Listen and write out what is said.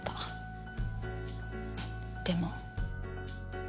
でも。